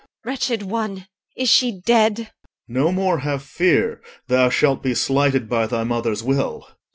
Wretched one, is she dead? OR. No more have fear Thou shalt be slighted by thy mother's will.